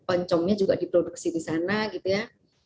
oncomnya juga diproduksi di sana gitu ya